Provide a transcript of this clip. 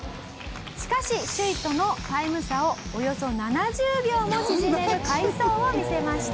しかし首位とのタイム差をおよそ７０秒も縮める快走を見せました。